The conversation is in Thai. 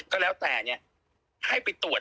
ยังไม่มีใครติดทั้งนั้น